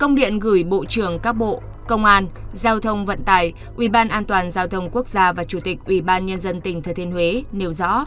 công điện gửi bộ trưởng các bộ công an giao thông vận tải uban an toàn giao thông quốc gia và chủ tịch uban nhân dân tỉnh thừa thên huế nêu rõ